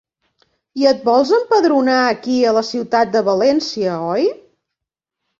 I et vols empadronar aquí, a la ciutat de València, oi?